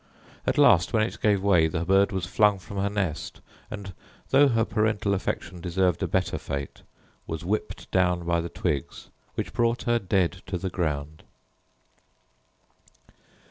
At last, when it gave way, the bird was flung from her nest; and, though her parental affection deserved a better fate, was whipped down by the twigs, which brought her dead to the ground.